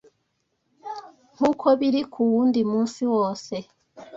nk’uko biri ku wundi munsi wose